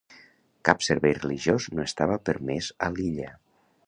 Cap servei religiós no estava permès a l'illa.